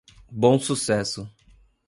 Bom Sucesso